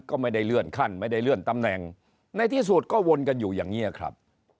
ก็ไม่ได้เลื่อนขั้นไม่ได้เลื่อนตำแหน่งในที่สุดก็วนกันอยู่อย่างนี้ครับ